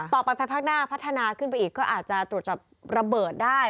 ต่อไปภายภาคหน้าพัฒนาขึ้นไปอีกก็อาจจะตรวจจับระเบิดได้